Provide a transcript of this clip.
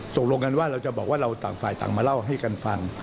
ตกลงกันว่าเราจะบอกว่าเราต่างฝ่ายต่างมาเล่าให้กันฟัง